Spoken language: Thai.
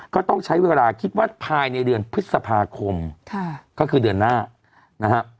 ก็ต้องใช้เวลาคิดว่าภายในเดือนพฤษภาคมก็คือเดือนหน้านะฮะ